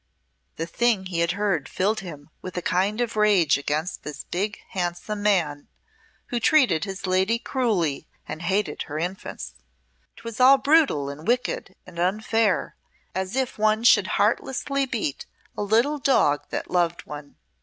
The thing he had heard filled him with a kind of rage against this big handsome man who treated his lady cruelly and hated her infants. 'Twas all brutal and wicked and unfair, as if one should heartlessly beat a little dog that loved one.